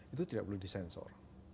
itu tidak boleh disensor